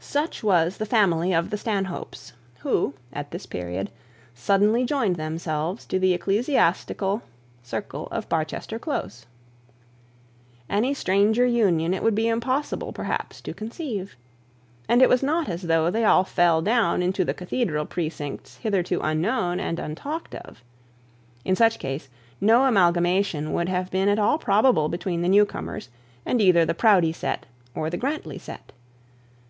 Such was the family of the Stanhopes, who, at this period, suddenly joined themselves to the ecclesiastical circle of Barchester close. Any stranger union, it would be impossible perhaps to conceive. And it was not as though they all fell down into the cathedral precincts hitherto unknown and untalked of. In such case no amalgamation would have been at all probable between the new comers and either the Proudie set or the Grantly set.